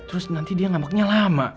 ya terus nanti dia ngambeknya lama